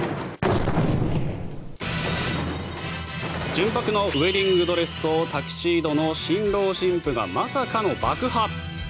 純白のウェディングドレスとタキシードの新郎新婦がまさかの爆破。